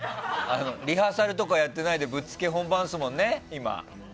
リハーサルとかやってないでぶっつけ本番ですもんね、今。